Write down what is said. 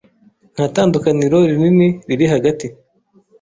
ntatandukaniro rinini riri hagati